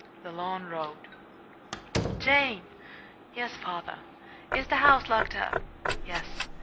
The Long Road "Jane!" "Yes, father." "Is the house locked up?" "Yes."